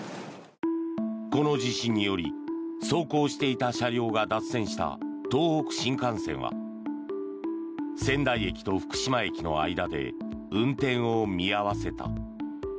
この地震により走行していた車両が脱線した東北新幹線は仙台駅と福島駅の間で運転を見合わせた。